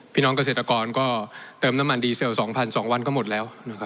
พี่น้องเกษตรกรก็เติมน้ำมันดีเซล๒๐๐๒วันก็หมดแล้ว